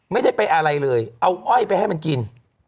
ไม่ได้ไปอะไรเลยเอาอ้อยไปให้มันกิน